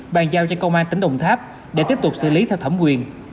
bàn giao cho công an tỉnh đồng tháp để tiếp tục xử lý theo thẩm quyền